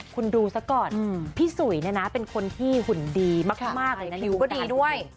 คุณดูซะก่อนพี่สุยเป็นคนที่หุ่นดีมากก็ดีด้วย